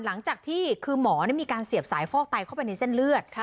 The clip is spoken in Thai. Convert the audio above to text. หลังจากที่คือหมอมีการเสียบสายฟอกไตเข้าไปในเส้นเลือด